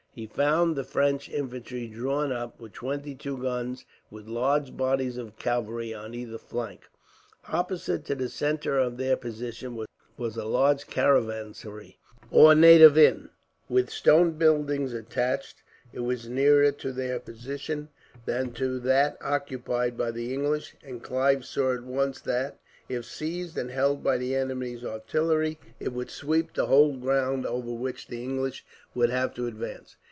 He found the French infantry drawn up, with twenty two guns, with large bodies of cavalry on either flank. Opposite to the centre of their position was a large caravansary, or native inn, with stone buildings attached. It was nearer to their position than to that occupied by the English, and Clive saw at once that, if seized and held by the enemy's artillery, it would sweep the whole ground over which the English would have to advance.